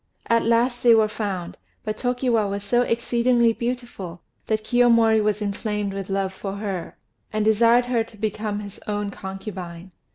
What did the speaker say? At last they were found; but Tokiwa was so exceedingly beautiful that Kiyomori was inflamed with love for her, and desired her to become his own concubine.